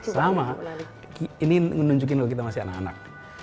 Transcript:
sama ini ngenunjukin kalau kita masih anak anak